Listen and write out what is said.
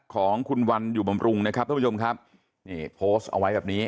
ของคุณวันอยู่บำรุงนะครับท่านผู้ชมครับนี่โพสต์เอาไว้แบบนี้